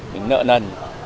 mình nợ nần